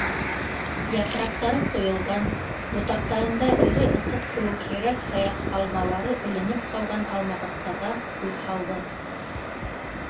Япраҡтары ҡойолған, ботаҡтарында эре ысыҡ кеүек һирәк-һаяҡ алмалары эленеп ҡалған алмағастарға күҙ һалды.